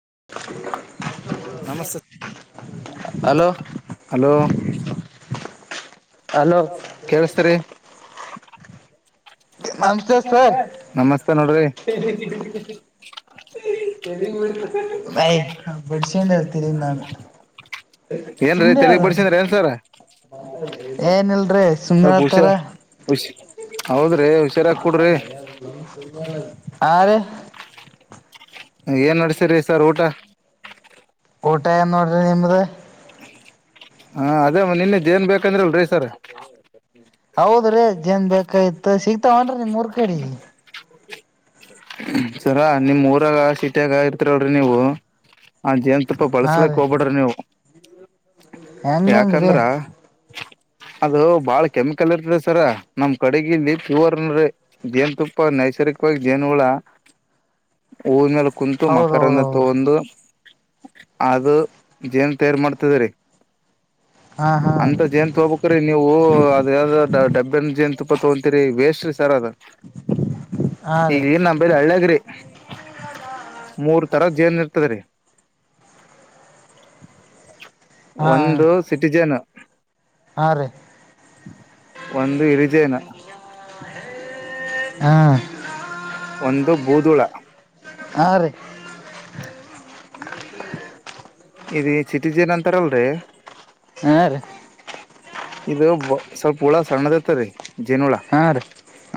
[unintelligible] ನಮಸ್ತೆ hello hello hello ಕೇಳಸ್ತರಿೀ ನಮಸ್ತೆ ಸರ್ ನಮಸ್ತೆ ನೋಡ್ರಿ ನಯ ಪಡ ತಿರಿಂದ ಏನ್ರೀ ತೆಲಿಗ್ ಬಡ್ಸನ್್ರಿ ಏನ್ಸರ ಏನಲ್ರಿ ಸುಮ್ನೆ ಸ್ವಲ್ಪ ಹತಾರ ಹುಷಾರ ಹುಷಿ ಹೌದ್ರೀ ಹುಷಿ ಹಾ ರ ಏನ್ ನಡ್ಸ್ರರಿ ಸರ್ ಊಟ ಕೋಟಾಯನ್ನು ಹೊರ ನೇಮಿದೆ ಹಾ ಅದೇ ನಿನ್ನೆ ಏನ್ ಬೇಕಂದ್ರಲ್ ರೀ ಸರ್ ಹೌದ್ರೀ ಜೇನ್ ಬೇಕಾಯತ್ ಸಿಗ್ತಾವನ್ ನಿಮ್ ಮುರ್ಕಡಿ ಸರ ನಿಮ್ ಊರಾಗ ಸಿೀಟಿಯಾಗ ಇರ್ತರಿವ್ರಿ ನೀವು ಅ ಜ ತಪ್ಪ ಹಾ ಬಳಸ್ಲಕ್ ರೀ ಹೋಗ್ಬಿಡ್ರಿ ನೀವು ಹೆಂಗಂಗ್ರೀ ಯಾಕಂದ್ರ [inaudible] ಅದು ಬಾಳ ಕೆಮಿಕಲ್ ಇರ್ತರಿ ಸರ ನಮ್ ಕಡೆಗಿಲ್ಲಿ ಪ್ಯೂರ್ ಅನ್ ಜೇನ್ ತುಪ್ಪ ನೈಸರ್ಗ ಜನು ಹ ಮ ಕುಂತು ಮಕರನ್ನು ಹೌದೌದೌದು ತಗಂದು ಅದು ಜೇನ್ ತಯಾರು ಮಾಡ್ತದರಿೀ ಹಾ ಹಾ ಅಂತ ಜೇಂತು ಹೋಗಬಕ್ರೀ ನೀವು ಅದ ಯಾವ ಡಬ್ಬನ್ ಜೇಂತು ಇಪ್ಪ ತಗಂತರಿ ವೇಸ್ ಸರ್ ಅದ ಹಾ ಈಗ ರೀ ಏನ್ ನಮ್ಮ ಬೇ ಹಳ್ಳಗ್ರಿ ಮೂರು ತರ ಜೇನ ಇರ್ತಾರೆ ಹಾ ಒಂದು ಸಿಟಿಜನ್ ಹಾ ರೀ ಒಂದು ಇರುಜೇನ ಹ್ಮ್ ಒಂದು ಬೂದುಳ ಆ ಇ ಸಿಿಟಿ ಜೇನ್ ಅಂತಾರಲ್ರಿ ಹೀ ಇದು ಸ್ವಲ್ಪ ಹುಳ ಸಣ್ಣದ ತ್ತ ರೀ ಹಾ ರೀ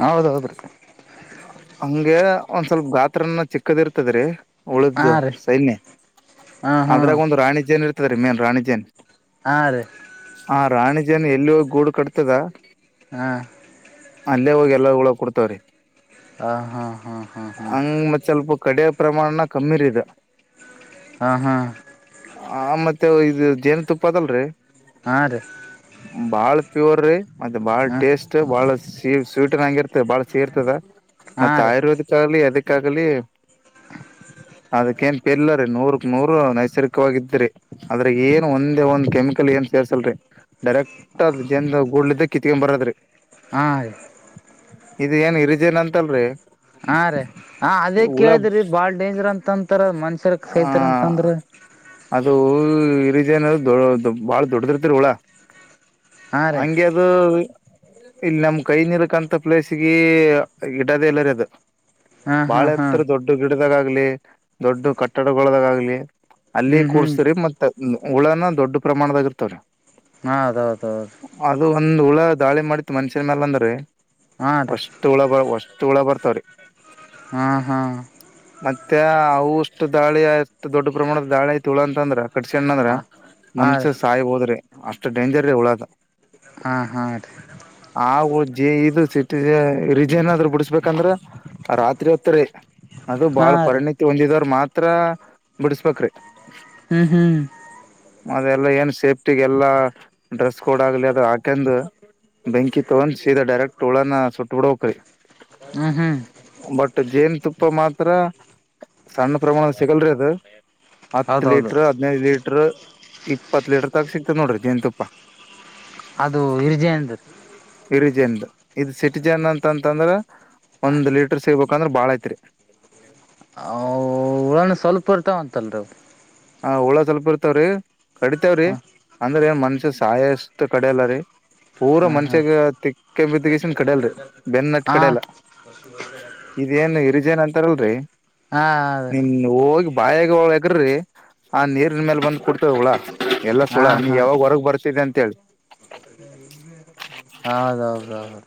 ಹೌದ್ದ್ರೀ ಹಂಗೆ ಒಂದ್ ಸ್ವಲ್ಪ ಗಾತ್ರನ ಚಿಕ್ಕದ ಇರ್ತದ್ರಿ ಹಾ ಉಳು ರೀ ಸೈನ್ಯ ಹಾ ಹಾ ಅದ್ರಾಗ ಒಂದು ರಾಣಿ ಜೇನ್ ಇರ್ತದೆೀ ಮೇನ್ ರಾಣಿ ಜೇನ್ ಆ ನ್ ಎಲ್ಲಿೋಗಿ ಗೂಡು ಕಟ್ತದ ಹಾ ಅಲ್ಲೇ ಹೋಗಿ ಎಲ್ಲಳ ಕೊಡ್ತವ್ರೀ ಹಾ ಹಾ ಹಾ ಹಾ ಹಾ ಕಡೆಯ ಪ್ರಮಾಣನ ಕಮ್ಮಿರದೆ ಹಾ ಹಾ ಹಾ ಆ ಮತ್ತೆ ಇದು ಜೇನು ತುಪ್ಪ ಅದಲ್ರರಿ ಹಾಂ ರೀ ಬಾಳ್ ಪ್ಯೂರ್ ಮತ್ತೆ ಬಾಳ ಹಾಂ ಟೇಸ್ಟ್ ಬಹಳ ಸ ಸ್ವೀಟ್ ನಂಗ ಇರ್ತ ಬಾಳ ಸೀ ಇರ್ತದ ಹಾಂ ಮತ್ತ ರೀ ಆಯುರ್ವೇದಕ್ ಆಾಗಲಿ ಅದಕ್ಕ ಆಾಗಲಿ ಅದಕ್ಕ ನ್ ಪರ್ಲ್ಲ ರೀ ನೂರಕ್ ನೂರು ನೈಸರ್ಗಿಕವಾಗಿದ್ರಿ ಅದ್ರಾಗ ಏನು ಒಂದೇ ಒಂದ್ ಕೆಮಿಕಲ್ ಏನ್ ಸೇರ್ಸಲ್ರಿ ಡೈರೆಕ್ಟ್ ಅದ್ ಜನ್ ಗೂಡ್ಲ ಇದ ಕಿತ್ಕೊಂಡ್ ಬರದ್ರಿ ಹಾ ಇದು ಏನ್ ಹಿರಿಜೇನ್ ಅಂತಲ್ರಿ ಹಾ ರೇ ಹ ಅದೇ ಕೇಳಿದ್ರಿ ಬಾಳ್ ಡೇಂಜರ್ ಅಂತ ಅಂತರ್ ಮನ್ಷ ಹ ಅದು ಓ ಈ ರಿಜೆನಾದ ದೊ ದೊ ಬಾಳ ದೊಡ್ಡದ ಇರ್ತದ್ರಿ ಹುಳಾ. ಹಾಂ ರೀ ಹಂಗೆ ಅದ. ಇಲ್ಲಿ ನಮ್ ಕೈ ನೀರಕಂತ ಪ್ಲೇಸಿಗಿ ಇಡದ ಇಲ್ಲರಿ ಅದ. ಹಾಂ ಬಾಳ ಹಾಂ ಹಾಂ ಏತ್ರ ದೊಡ್ಡ ಗಿಡದಾಗ ಆಗ್ಲಿ ದೊಡ್ಡ ಕಟ್ಟಡಗೊಳದಾಗ ಆಗ್ಲಿ. ಅಲ್ಲಿ ಹ್ಞೂ ಹ್ಞೂ ಕೂಡ್ಸ್ತ್ರರಿ ಮತ್ ಹ್ಮ್ ಹುಳನ ದೊಡ್ಡ ಪ್ರಮಾಣದಾಗ ಇರ್ತವ್ರಿ. ಹಾ ಅದೌದೌದು. ಅದು ಒಂದ್ ಹುಳ ದಾಳಿ ಮಾಡಿತ್ತು ಮನುಷ್ಯನ್ ಮ್ಯಾಲ ಅಂದರಿ ಹೌದು ವಷ್ಟು ಹುಳ ವ ಒಸ್ಟು ಹುಳ ಬರ್ತಾವ್ರಿ. ಹಾ ಹಾ ಮತ್ಯ ಅವುಷ್ಟು ದಾಳಿ ಅಷ್ಟ ದೊಡ್ಡ ಪ್ರಮಾಣದ ದಾಳಿ ಐತ ಹುಳಾ ಅಂತಂದ್ರ. ಕಡ್ಸಣ್ಣ ಅಂದ್ರ ಮನಷ್ಯ ಹಾಂ ಸಾಯ್ ಹೋದ್ರಿ ಅಷ್ಟ ಡೇಂಜರ್ ರೀ ಹೂಳಾದ. ಹಾ ಹಾ ರೀ ಜೆ ಇದು ಸಿಟಿರೆ ರಿಜೆನ್ ಆದ್ರ ಬುಡುಸಬೇಕಂದ್ರ ರಾತ್ರಿ ಹೊತ್ತರಿ. ಅದು ಬಾಳ್ ಹಾಂ ರೀ ಪರಿಣಿತಿ ಹೊಂದಿದವ್ರ ಮಾತ್ರ ಬಿಡಸ್ಬೇಕ್ರಿ. ಹ್ಮ್ ಹ್ಮ್ ಅದ ಎಲ್ಲ ಏನ್ ಸೇಫ್ಟಿಗೆ ಎಲ್ಲಾ ಡ್ರೆಸ್ ಕೋಡ್ ಆಗ್ಲಿ ಅದು ಹಾಕಂಡ್. ಬೆಂಕಿ ತೊಗೊಂಡ ಸೀದ ಡೈರೆಕ್ಟ್ ಹುಳಾನ ಸುಟ್ ಬುಡೊಕ್ರಿ. ಹ್ಞೂ ಹ್ಞೂ ಬಟ್ ಜೇನ ತುಪ್ಪ ಮಾತ್ರ ಸಣ್ಣ ಪ್ರಮಾಣ ಸಿಗಲ್ರಿ ಅದ ಎ ಹತ್ ಹೌದೌದು ಲೀಟ್ರ ರೀ ಹದ್ನೈದ ಲಿಟ್ರಾ. ಇಪ್ಪತ್ತ ಲೀಟರ್ ತಕ ಸಿಕ್ತದ ನೋಡ್ರಿ ಜೆನ್ ತುಪ್ಪ. ಅದು ಹಿರ್ಜೆಂದ. ಇರಿಜೆನ್ದ ಇದ ಸಿಟಿಜೆನ್ ಅಂತಂತಂದ್ರ. ಒಂದ್ ಲೀಟರ್ ಸೇಗ್ಬೇಕಂದ್ರ ಬಾಳ ಐತ್ರಿ. ಅವು ಹುಳಾನು ಸ್ವಲ್ಪ ಇರ್ತಾವಂತಲ್ರಿ ಅವು. ಹ ಹುಳ ಸ್ವಲ್ಪ ಇರ್ತವ್ರಿ ಕಡಿತವ್ರಿ. ಹಾಂ ಅಂದ್ರೆ ಮನಸ್ಯ ಸಾಯಸ್ಟ ಕಡ್ಯಲಾರಿ. ಪೂರಾ ಹಾಂ ಹಾಂ ಮನಸ್ಯಗ ತಿಕ್ಕೇಬಿದಗೆಸಿಂದ ಕಡ್ಯಲ್ರಿ. ಬೆನ್ ಹತ್ತ ಹಾಂ ಕಡ್ಯಾಲ ಇದೇನ ಹಿರಿಜೇನ್ ಅಂತಾರಲ್ರಿ. ಹಾಂ ನಿನ್ ಹೋಗಿ ಬಾಯಾಗ ಹೋಗ್ ಎಗರಿ ಆ ನೀರಿನ ಮೇಲ ಬಂದು ಕುಡ್ತವ ಹುಳಾ. ಎಲ್ಲಸ ಹುಳಾ ಹಾಂ ನೀ ಹಾಂ ಯಾವಾಗ ಹೊರಗ್ ಬರ್ತಿದೆ ಅಂತೇಳಿ. ಹೌದು ಹೌದು ಹೌದು.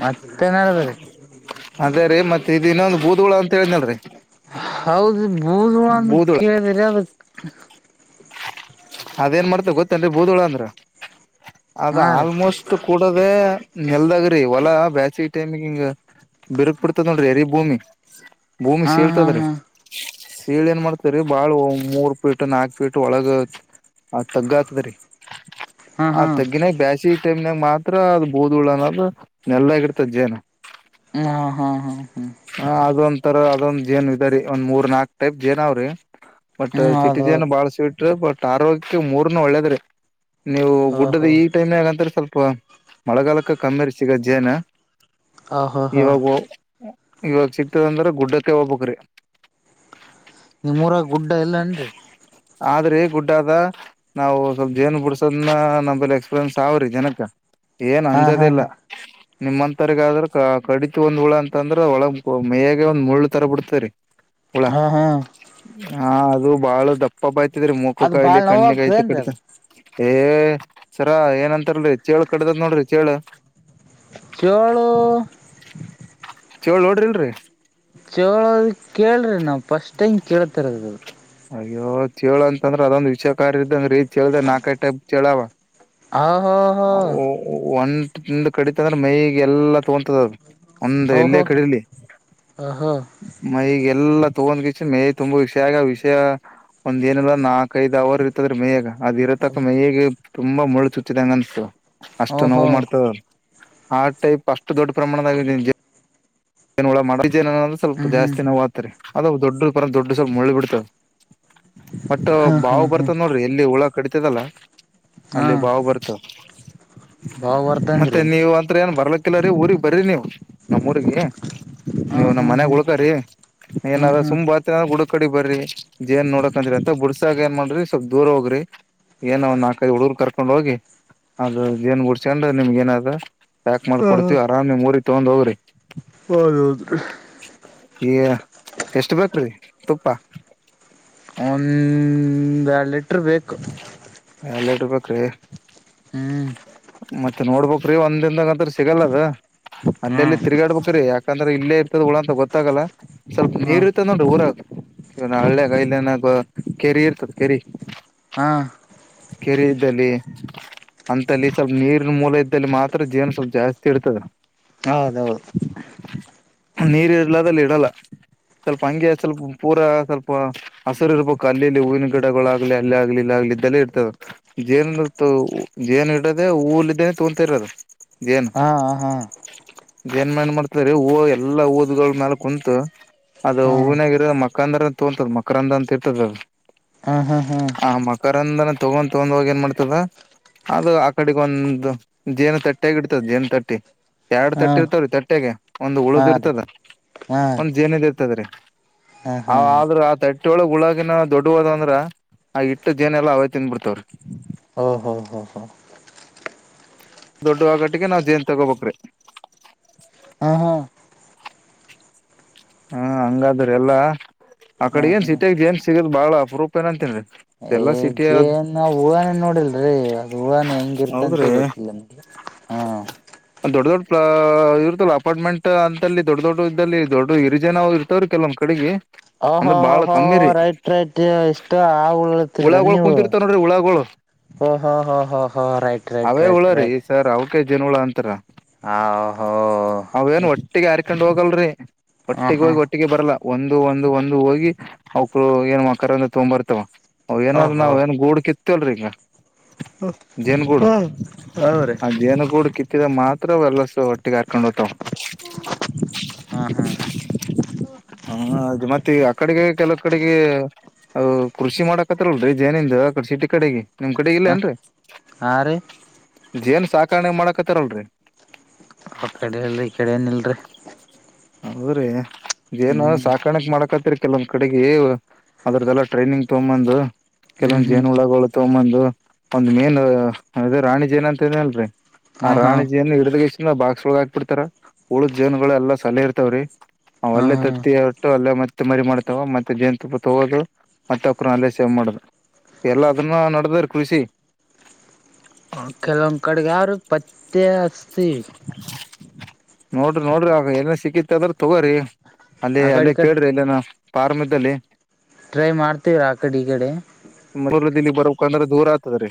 ಮತ್ತೆನ್ ಆದ್ರಿ. ಅದೇ ರೀ ಮತ್ತ ಇದ ಇನ್ನೊಂದು ಬೂದುಳ ಅಂತ ಹೇಳನಲ್ರಿ. ಹೌದು ಬೂದವಾ ಅಂತ ಕೇಳಿದ್ರಿ ಅದಕ್. ಅದೇನ್ ಮಾಡ್ತದ ಗೊತ್ತೇನ್ರಿ ಬೂದುಳ ಅಂದ್ರ ಅದು ಹಾ ರೀ ಆಲ್ಮೋಸ್ಟ್ ಕು ಕೂಡದೆ ನೆಲ್ದಾಗ್ರಿ ಹೊಲಾ ಬ್ಯಾಚಿ ಟೆಮಿಗ ಹಿಂಗ. ಬಿರುಕ್ ಬಿಡ್ತದ ನೋಡ್ರಿ ಎರಿ ಭೂಮಿ ಭೂಮಿ ಹಾ ಹಾ ಸೀಳ್ತದ್ರಿ. ಸೀಳಿ ಏನ್ ಮಾಡ್ತರಿ ಬಾಳ ಮೂರ್ ಫೀಟ್ ನಾಕ್ ಫೀಟ್ ಒಳಗ ಹ ತಗ್ಗ ಆತದ್ರಿ. ಹಾ ಹಾ ಆ ಹಾ ತಗ್ಗಿನ್ಯಾಗ ಬ್ಯಾಸಿ ಟೈಮ್ನಾಗ ಮಾತ್ರ ಅದ್ ಬುದುಳ ಅನ್ನದ ನೆಲ್ದಾಗ್ ಇರತದ ಜೇನ. ಹ್ಮ್ ಹಾ ಹಾ ಹ್ಮ್ ಹ ಅದೊಂಥರಾ ಅದೊಂದ್ ಜೇನ್ ಇದಾರಿ ಒಂದ್ ಮೂರ್ ನಾಕ್ ಟೈಪ್ ಜೇನ ಅವ್ರಿ. ಬಟ್ ಹ್ಮ್ ಚಿಟಿ ಜೆನ್ ಹೌದೌದು ಬಾಳ್ ಸ್ವೀಟ್ ಬಟ್ ಆರೋಗ್ಯಕ್ಕೆ ಮೂರ್ನು ಒಳ್ಳೇದ್ರಿ. ನೀವು ಹಾ ಗುಡ್ಡದ ಹೋ ಈ ಟೈಮ್ ನ್ಯಾಗ ಅಂತ್ರ ಸ್ವಲ್ಪ ಮಳೆಗಾಲಕ್ಕ ಕಮ್ಮಿರಿ ಸಿಗದ ಜೇನಾ. ಆ ಹಾ ಹಾ ಇವಾಗ ಸಿಗ್ತದ ಅಂದ್ರ ಗುಡ್ಡಕ್ಕೆ ಹೋಗ್ಬಕ್ರಿ. ನಿಮ್ಮೂರಾಗ ಗುಡ್ಡ ಎಲ್ಲೇನ್ರಿ. ಗುಡ್ ಆದ ನಾವು ಸ್ವಲ್ಪ ಜೇನ್ ಬಿಡ್ಸೋದನ್ನ ನಮ್ದಲ್ಲಿ ಎಕ್ಸ್ಪೀರಿಯನ್ಸ್ ಆವ್ರೀ ಜನಕ್. ಏನ್ ಹಾ ಅಂಜದ ಹಾ ಇಲ್ಲ ಹಾ ನಿಮ್ಮಂತರಿಗಾದ್ರ ಕ ಕಡಿತ ಒಂದ್ ಹುಳ ಅಂತಂದ್ರ. ಅ ಒಳಗ ಪ ಮೈಯಾಗೆ ಒಂದ್ ಮುಳ್ಳು ತರ ಬುಡ್ತರಿ. ಹಾ ಹಾ ಹಾ ಅದು ಬಾಳ ದಪ್ಪಪ್ಪಯ್ತದ್ರೀ ಮೂಕಕ್ಕ ಅದ್ ಕಾಯಿಲಿ ಬಾಳ್ ನೋವ ಕಣ್ಣಿಗಾಯ್ತೆ ಆಗ್ತದೇನ್ರಿ ಕಡಿತ ಅದ ಏ ಸರ ಏನಂತಲ್ರಿ ಚೇಳ ಕದಡದ ನೋಡ್ರಿ ಚೇಳ ಚೋಳು ಚೋಳ ನೋಡ್ರಿಲ್ರರಿ- ಚಳೋದ ಕೇಳ್ರಿ ನಾವು ಫಸ್ಟ್ ಟೈಮ್ ಕೇಳ್ತರದದು. ಅಯ್ಯೋ ಚೇಳು ಅಂತಂದ್ರೆ ಅದೊಂದು ವಿಷಕಾರ ಇದ್ದಂಗ್ರಿ ಚೇಳ್ದಗ ನಾಕೈ ಟೈಪ್ ಚೇಳ ಅವ- ಹ ಹೋ ಹೋ ಅವ ಒನ್ ಒಂದ ಕಡಿತ ಅಂದ್ರ ಮೈಗೆ ಎಲ್ಲಾ ತೊಗೊಂತದದ. ಒಂದು ಎಲ್ಲೇ ಓಹೋ ಕಡಲಿ ಓಹೋ ಮೈಗೆ ಎಲ್ಲಾ ತಗೊಂದ್ಕೈಸಿಂದ ಮೇಯ ತುಂಬ ವಿಷ್ಯಾ ಆಗಿ ವಿಷ್ಯ ಒಂದ್ ಏನಿಲ್ಲ ನಾಕ್ಐದು ಹವರ್ ಇರ್ತದ್ರೆ ಮೇಯಾಗ ಅದ ಇರೋತಕ ಮೇಯಗೆ ತುಂಬಾ ಮುಳ್ಳು ಚುಚ್ಚಿದಂಗ ಅನ್ಸ್ತದ. ಅಷ್ಟ ಓಹೋ ನೋವು ಮಾಡ್ತದ ಆ ಟೈಪ್ ಅಷ್ಟು ದೊಡ್ಡ ಪ್ರಮಾಣದಾಗ ಜೇನ್ ಹುಳ ಮಾಡ್ತಾತ್ತ [unintelligible] ಸ್ವಲ್ಪ ಹ್ಮ್ ಹ್ಮ್ ಜಾಸ್ತಿ ನೋವತ್ತರಿ. ಅದ ದೊಡ್ಡ ಪರ ದೊಡ್ಡ ಸ್ವಲ್ಪ ಮುಳ್ಳ ಬಿಡ್ತಾದ ಬಟ್ ಹ್ಮ್ ಬಾವು ಹ್ಮ್ ಹ್ಮ್ ಹ್ಮ್ ಬರ್ತದ ನೋಡ್ರಿ ಎಲ್ಲಿ ಹುಳ ಕಡಿತದಲ್ಲ ಹಾ ಅಲ್ಲಿ ಬಾವ ಬರ್ತದ. ಬಾವ ಮತ್ತೆ ಬರ್ತನ್ರಿ ನೀವ ಅಂತ್ರ ಏನ್ ಬರ್ಲಕ್ಕಿಲ್ಲರೀ ಊರಿಗ್ ಬರಿ ನೀವು ನಮ್ಮ್ಊರಿಗೆ. ನೀವು ಹ್ಮ್ ನಮ್ಮ್ ಹ್ಮ್ ಮನ್ಯಾಗ ಹ್ಮ್ ಉಳಕರೀ ಹ್ಮ್ ಏನಾದ್ರ ಹ್ಮ್ ಸುಂಬ್ ಬರ್ತೀವ ಬುಡ ಕಡೆ ಬರ್ರಿ ಜೇನ್ ನೋಡಕ ಅಂದ್ರಿ ಅಂತ ಬುಡ್ಸಾಗ ಏನ್ ಮಾಡ್ರಿ ಸ್ವಲ್ಪ್ ದೂರ ಹೋಗ್ರಿ. ಏನ ಒಂದ್ ನಾಲ್ಕೈದು ಹುಡುಗರ್ ಕರ್ಕೊಂಡ್ ಹೋಗಿ ಅದು ಜೇನ್ ಗುಡ್ಸ್ಕೊಂಡ ನಿಮ್ಗ ಏನದ- ಪ್ಯಾಕ್ ಮಾಡಿ ಕೊಡ್ತೀವಿ ಆರಾಮ ನಿಮ್ಮುರಿಗೆ ತಗೊಂಡ್ ಹೋಗ್ರಿ. ಹೌದುದು. ಈಗ ಎಷ್ಟ ಬೇಕ್ರೀ ತುಪ್ಪ? ಒಂದರಡು ಲೀಟರ್ ಬೇಕ. ಎರಡ ಲೀಟರ್ ಬೇಕ್ರಿ? ಹ್ಮ್ ಮತ್ತ ನೋಡ್ಬಕ್ರಿ ಒಂದ್ ದಿನ್ದಾಗ ಅಂತ್ರ ಸಿಗಲ್ಲದ. ಅಲ್ಲೆಲ್ಲಿ ಹ್ಮ್ ತಿರ್ಗಾಡ್ಬೇಕ್ರಿ ಯಾಕಂದ್ರೆ ಇಲ್ಲೇ ಇರ್ತದ ಹುಳ ಅಂತ ಗೊತ್ತಾಗಲ್ಲ ಸ್ವಲ್ಪ ಹಾ ನೀರ್ ಇರ್ತದ ನೋಡ್ರಿ ಊರಾಗ - ಹಲ್ಲ್ಯಾಗ ಕೈಲೆನಾಗ ಕೆರಿ ಇರ್ತದ ಕೆರಿ. ಹಾ ಕೆರೆ ಇದ್ದಲ್ಲಿ. ಅಂತಲ್ಲಿ ಸ್ವಲ್ಪ ನೀರಿನ ಮೂಲ ಇದ್ದಲ್ಲಿ ಮಾತ್ರ ಜೇನ್ ಸ್ವಲ್ಪ ಜಾಸ್ತಿ ಇರ್ತದ. ಹೌದೌದ. ನೀರ ಇರ್ಲ್ಲದಲ್ಲಿ ಇಡಲ್ಲ. ಸ್ವಲ್ಪ ಹಂಗೆ ಸ್ವಲ್ಪ ಪೂರಾ ಸ್ವಲ್ಪ ಹಸರು ಇರ್ಬೇಕು ಅಲ್ಲಿಲ್ಲಿ ಹೂವಿನ ಗಿಡಗಳುಾಗಗ್ಲಿ ಅಲ್ಲಿ ಆಗ್ಲಿ ಇಲ್ಲಿ ಆಗ್ಲಿ ಇದ್ದಲ್ಲಿ ಇಡಬೇಕ್. ಜೇನುದು ಜೇನು ಇಡದೆ ಉಲ್ ಇದೇ ತೊಗೋತೀರ್ ಯಾರ್? ಹಾ ಹಾ ಜನ್ಮ ಏನ್ ಮಾಡ್ತರಿದರಿ ಎಲ್ಲಾ ಊದ್ಗಳ ಮ್ಯಾಲ ಕುಂತ. ಅದು ಹಾ ಹೂವನಾಗಿರೋ ಮಕ್ಕ ಅಂದ್ರಂತ ತೋಗೊತದ ಮಕರಂದ ಅಂತ ಇರ್ತದ ಅದು. ಹಾ ಹಾ ಹಾ ಆ ಮಕರಂದನ ತಗೊಂಡ್ ತಗೊಂದ ಏನ್ ಮಾಡ್ತದ. ಅದು ಆ ಕಡೆಗ ಒಂದು ಜೇನು ತಟ್ಟಿ ಆಗಿ ಇಡ್ತದ ಜೇನು ತಟ್ಟಿ. ಎರಡ್ ಹಾ ತಟ್ಟೆ ಇರ್ತವ್ರೀ ತಟ್ಟೆಗೆ ಒಂದ್ ಹಾ ಉಳ್ದ್ ರೀ ಇರ್ತದ ಹಾ ಒಂದ್ ಜೇನದ್ ಇರ್ತದ್ರಿ. ಹಾ ಹಾ ಅವ ಆದ್ರೂ ಆ ತಟ್ಟಿಯೊಳಗ್ ಉಳಗಿನ ದೊಡ್ಡುವೋದಂದ್ರ ಆ ಹಿಟ್ಟು ಜೇನೆಲ್ಲ ಅವ ತಿಂದ ಬಿಡ್ತಾವ್ರಿ. ಓಹೋ ಹೋ ಹೋ ದೊಡ್ಡವಾಗಟ್ಟಿಗೆ ನಾವ್ ಜೇನ್ ತಗೋಬೇಕ್ರಿ. ಹಾ ಹಾ ಹಾ ಹಂಗಾದ್ರೆ ಎಲ್ಲಾ ಆ ಹಾ ಕಡೆ ಏನ್ ಹಾ ಸಿಟಿಯಾಗ ಏನ್ ಜೇನ್ ಸಿಗೋದ ಬಾಳ ಅಪರೂಪ ಏನ ಅಂತನ್ ಎಲ್ಲಾ ಸಿಗೋದ ಏನ್ ನಾವು ಹೂವಾನೆ ನೋಡಿಲ್ರಿ ಅದು ಹೂಳಾನೆ ಹೆಂಗ ಇರ್ತಂತ ಹೌದ್ರಿ ಗೊತ್ತಿಲ್ಲ ನಮ್ಗೆ ಹಾ ದೊಡ್ ದೊಡ್ ಪ ಇರ್ತಲ್ಲ ಅಪಾರ್ಟ್ಮೆಂಟ್ ಅಂತಲ್ಲಿ ದೊಡ್ಡ ದೊಡ್ಡ ಇದಲ್ಲಿ ದೊಡ್ಡ ಹಿರಿಜೇನ ಇರ್ತವ್ರೀ ಕೆಲ ನಮ್ಮ್ ಕಡೆಗೆ. ಹಾ ಹಾ ಹ ಹ ಹ ರೈಟ್ ರೈಟ್ ಎಷ್ಟ ಆಳವಳಗ ಹುಳಗಳು ನೀವು ಕುಂತಿರ್ತಾವ ನೋಡ್ರಿ ಹುಳಗಳು ಹ ಹ ಹ ಹ ರೈಟ್ ರೈಟ್ ರೈಟ್ ರೈಟ್ ಜನಗಳಳ ಅಂತರ ಆ ಹೋ ಇ ಕಕೊಂಡ್ ಹೋಗಲ್ರರಿ ಒಟ್ಟಿಗೆ ಹೋಗಿ ಒಟ್ಟಿಗೆ ಬರ್ಲ್ಲಾ ಒಂದು ಒಂದು ಒಂದು ಹೋಗಿ ಅವಕರು ಏನು ಅ ಕರಂದ ತೊ್ಂಬರ್ತವ ಅವ್ ಏನಲ್ ಹಾ ನಾವ ಏನ್ ಗೂಡ್ ಕಿತ್ತವಲ್ರಿ ಈಗ ಹಾ ೇನುಗುಡ ಹೌರಿ ಹ ೇನುಗುಡ್ ಹತ್ತಿದ ಮಾತ್ರ ಅವ ಎಲ್ಲಸ ಒಟ್ಟಿಗೆ ಹಾರ್ಕೊಂಡ್ ಹ್ತಾವ ಹಾ ಹಾ ಹಾ ಅದು ಮತ್ತೆ ಆ ಕಡೆಗೆ ಕೆಲವ ಕಡೆಗೆ ಕೃಷಿ ಮಾಡ ಪತ್ರಲ್ ಜೇನಿಂದ ಆಡೆ ಸಿಟಿ ಕಡೆಗೆ ನಿಮ್ ಕಡೆ ಇಲ್ಲೇನ್ರರಿ ಆ ಜೇನ್ ಸಾಕಣೆ ಮಾಡಕತ್ತಾರಲ್ರರಿ ಆ ಕಡೆೆಯಲ್ ರರಿ ಈ ಕಡೆನಲ್ರಿ ಹೌದ್ರಿ ಏನು ಸಾಕಾಣಕ್ ಮಾಡಕತ್ರಿ ಕೆಲೊಂದ್ ಕಡೆಗೆ ಅದ್ರದ್ದೆಲ್ಲಾ ಟ್ರೈನಿಂಗ್ ತೊಗಂಬಂದು ಹ್ಮ್ ಕೆಲವೊಂದ್ ಹ್ಮ್ ಜೇನು ಹ್ಮ್ ಉಳಗಳ ತಮ್ಮಂದು ಒಂದ್ ಮೇನ್ ಅ ರಾಣಿ ಜೇನ್ ಅಂತ ಅಲ್ರರಿ ಆ ಹಾ ಹಾ ರಾಣಿಜಿಯನ್ನು ಹಿಡ್ದ್ ಇಷ್ಟಿಂದ ಬಾಕ್ಸ್ ಒಳಗ್ ಹಾಕ್ಬ ಬಿಡ್ತಾರ ಉುಳು ಜನ್ಗಳು ಎಲ್ಲ ಸಲ ಇರ್ತವ್ರಿ ಅವ್ ಅಲ್ಲೇ ತತ್ತಿ ಹೊಟ್ಟು ಅಲ್ಲೇ ಮತ್ತೆ ಮರಿ ಮಾಡ್ತಾವ ಮತ್ತೆ ಜೇನ್ ತುಪ್ಪ ತಗೋದು ಮತ್ತ ಅಕ್ಕ್ರ ಅಲ್ಲೇ ಸೇವ್ ಮಾಡುದು ಎಲ್ಲ ಅದನ್ನ ನಡದ್ರ ಕೃಷಿ [inaudible] ಪತ್ತ ಅಸ್ತಿ ನೋಡ್ರಿ ನೋಡ್ರಿ ಆ ಎಲ್ಲ ಸಿಕ್ಕಿತ್ ಅದ್ರ ತಗೋ್ರಿ ಅಲ್ಲಿ ಆ ಕಡೆ ಅಲ್ಲೇ ಈ ಕಡೆ ಕೇಳ್ರಿ ಇಲ್ಲೇನ ಪಾರ್ಮದಲ್ಲಿ ಟ್ರೈ ಮಾಡ್ತೀವ್ರಾ ಆ ಕಡೆ ಈ ಕಡೆ ಲ್ಲಿ ಬರಬೇಕಂದ್ರೆ ದೂರ ಆಗ್ತದ ರ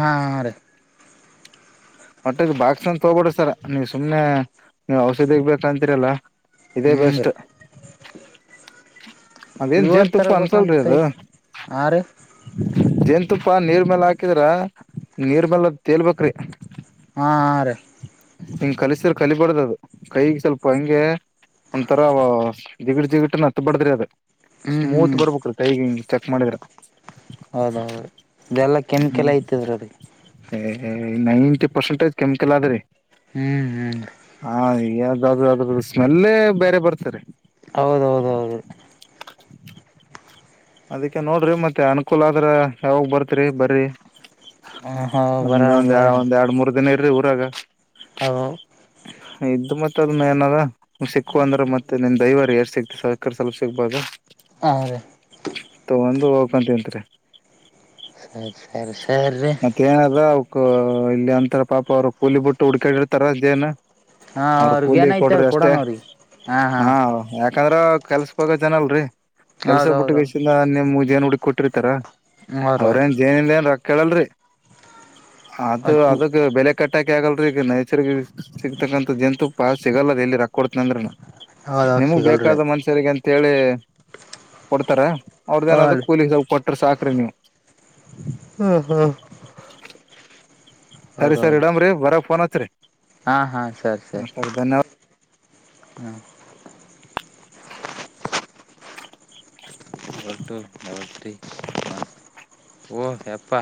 ಆ ಮಟ್ಟೆದು ಬಾಕ್ಸ್ ಅಂದ ತಗಬೋಡ ಸರ ನೀವ್ ಸುಮ್ನೆ ನೀವು ಔಷಧಿಗ್ ಬೇಕಂತಿರಲ್ಲ ಇದೇ ಹ್ಮ್ ಬೆಸ್ಟ್ ರೀ [inaudible] ಅದೇನ್ ಇವರ್ ಜೇನ್ ತುಪ್ಪು ಅನ್ಸಲ್ರಿ ತರಬೇಕಂತ ಅದು ಐತಿ ಹಾ ರೀ ಜೇನ್ ತುಪ್ಪ ನೀರ್ ಮೇಾಲ ಹಾಕಿದ್ರ ನೀರ್ ಮೇಲ ತೇಲ್ಬ್ರಿ ಆ ರ ಹಿಂಗ ಕಲಸ್ರೆ ಕಲಿಬಾರ್ದ ಅದು ಕೈಗೆ ಸ್ವಲ್ಪ ಹಂಗೆ ಒಂತರ ಜಿಗಟ್ ಜಿಗಟನ್ ಹತ್ಬಡದ್ರಿ ಅದ ಹ್ಮ್ ಸ್ಮೂತ್ ಹ್ಮ್ ಬರ್ಬೇಕ ರತ್ತ ಈಗ ಹಿಂಗ ಚೆಕ್ ಮಾಡಿದ್ರ ಹೌದೌದು ಇದೆಲ್ಲ ಕೆಮಿಕಲ್ ಐತದ್ರೀ ಅದಗೆ ಏ ನೈಂಟಿ ಪರ್ಸೆಂಟೇಜ್ ಕೆಮಿಕಲ್ ಆದ್ರೆ ಹ್ಮ್ ಹ್ಮ್ ಹಾ ಯ್ದಾದಾದ ಸ್ಮೆಲ್ಲೇ ಬೇರೆ ಬರ್ತಾರೆ ಹೌದೌದೌದು [inaudible] ಅದಕ್ಕೆ ನೋಡ್ರಿ ಮತ್ತೆ ಅನುಕೂಲ ಆದ್ರ ಯಾವಾಗ ಬರ್ತ್ರಿ ಬರಿ ಹ ಹಾ ಒಂದ ಬರೋಣ ಒಂದ್ ಬರೋಣ ಒಂದ್ ಎರಡು ಮೂರ್ ದಿನ ಇರಿ ಊರಾಗ ಹೌ ಇದ್ ಮತ್ತತ್ ಅದನ್ನ ಏನಾರ ಸಿಕ್ಕು ಅಂದ್ರೆ ಮತ್ತೆ ನಿನ್ ದಯವರಿ ಎಷ್ಟ ಸಿಕ್ತಿ ಸಕಾರಿ ಸ್ವಲ್ಪ ಸಿಕ್ಬಾಗ ಹ ರ ತಗೊಂಡ ಹೋಗಂತತ್ ಸರಿ ಸರಿ ಸರಿ ರೀ ಮತ್ತ ಏನದ್ರ ಅವ್ಕ್ ಇಲ್ಲಿ ಅಂತರ ಪಾಪ ಅವ್ರ ಕೂಲಿ ಬಿಟ್ಟು ಹುಡ್ಕಾಡಿ ಇರ್ತಾರ ಅೇನ ಹಾ ಅವರು ಅವ್ರಗ ಕೂಲಿ ಏನೈತೆ ಕೊಡ್ರಿ ಅಷ್ಟೇ ಕೊಡೋಣ ಅವ್ರಿಗೆ ಹಾ ಹಾ ಹ ಯಾ ಯಾಕಂದ್ರ ಕೆಲ್ಸ ಬಾಗ ಜನ ಅಲ್ರರಿ ಕೆಲ್ಸ ಹೌದೌದೌದು ಬಿಟ್ಟಷಿಂದ ನಿಮ್ ಜಏನ್ ಹುಡುಗಿ ಕೊಟ್ಟಿರ್ತಾರ ಅವ್ರ ಅವ್ರ ಅವ್ರೇಏನ್ ಜೇನಿಂದ ಏನ್ ರೊಕ್ಕ ಕೇಳಲ್ರರಿ ಅದು ಅದ್ಕು ಅದಕ್ಕೆ ಬೆಲೆ ಕಟ್ಟ ಟಾಕಿ ಆಗಲ್ರಿ ಈಗ ನೈಸರ್ಗ ಸಿಗ್ತಕಂತ ಜಂತು ಪಾ ಸಿಗಲ್ಲ ಎಲ್ಲಿ ರಾಕ್ಕ ಕೊಡ್ತನ ಅಂದ್ರ ಹೌದ ನಿಮಗ್ ಸಿಗಲ್ರಿ ಬೇಕಾದ ಮನ್ಷ್ಯರಿಗೆಂತ ಂತೇಳಿ ಕೊಡ್ತಾರ ಅವ್ರದ ಹಾ ಏನಾದ್ರು ರೀ ಕೂಲಿ ಕೊಟ್ಟ್ರ ಸಾಕ ಪ್ರಣಿ ಹ್ಮ್ ಹ್ಮ್ ಸರಿ ಸರ್ ಹೌದೌದು ಇಡಾಮ್ರರಿ ಬರಗ ಫೋನ್ನ್ ಹತ್ರಿ ಹಾ ಹಾ ಸರಿ ಸರಿ ಹಾ [inaudible] ಟು ೀ ಓ ಹೆಪ್ಪಾ